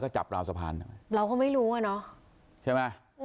ใช่ไหม